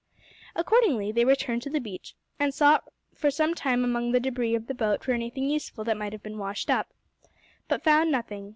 Accordingly they returned to the beach, and sought for some time among the debris of the boat for anything useful that might have been washed up, but found nothing.